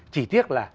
chỉ tiếc là